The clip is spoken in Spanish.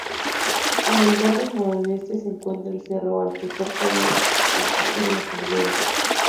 En el borde nordeste se encuentra el cerro Alto, cerca del puesto La Genoveva.